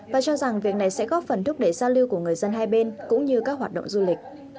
và cho rằng việc này sẽ góp phần thúc đẩy giao lưu của người dân hai bên cũng như các hoạt động du lịch